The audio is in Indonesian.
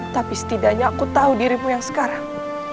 tapi setidaknya aku tahu dirimu yang sekarang